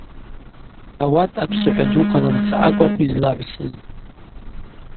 Ауат апсыхӏва дукваламца акӏвпӏ йызлагӏвсыз.